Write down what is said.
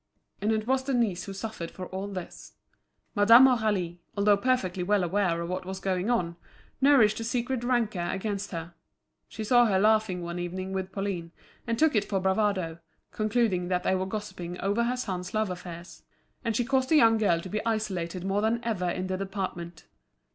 And it was Denise who suffered for all this. Madame Aurélie, although perfectly well aware of what was going on, nourished a secret rancour against her; she saw her laughing one evening with Pauline, and took it for bravado, concluding that they were gossiping over her son's love affairs. And she caused the young girl to be isolated more than ever in the department.